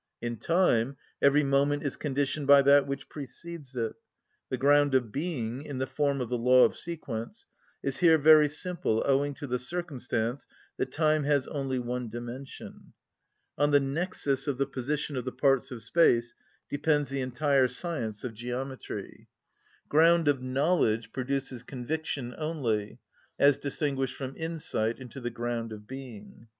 In time every moment is conditioned by that which precedes it. The ground of being, in the form of the law of sequence, is here very simple owing to the circumstance that time has only one dimension. On the nexus of the position of the parts of space depends the entire science of geometry. Ground of knowledge produces conviction only, as distinguished from insight into the ground of being.